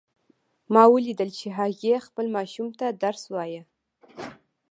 ما ولیدل چې هغې خپل ماشوم ته درس وایه